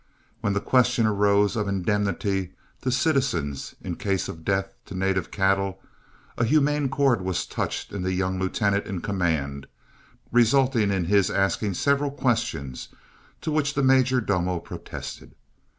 When the question arose of indemnity to citizens, in case of death to native cattle, a humane chord was touched in the young lieutenant in command, resulting in his asking several questions, to which the "major domo" protested.